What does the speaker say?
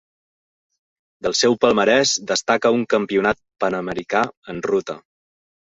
Del seu palmarès destaca un Campionat Panamericà en ruta.